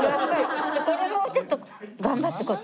これもうちょっと頑張ってこっち。